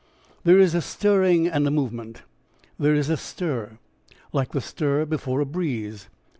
There is a stirring and a movement. There is a stir, like the stir before a breeze.